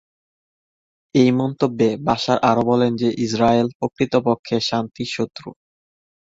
এই মন্তব্যে বাশার আরও বলেন যে ইসরায়েল প্রকৃতপক্ষে শান্তির শত্রু।